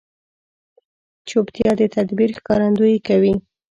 چوپتیا، د تدبیر ښکارندویي کوي.